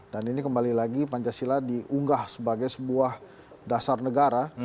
dan ini kembali lagi pancasila diunggah sebagai sebuah dasar negara